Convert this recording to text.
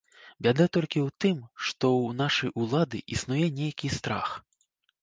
Бяда толькі ў тым, што ў нашай улады існуе нейкі страх.